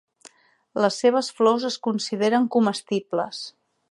Les seves flors es consideren comestibles.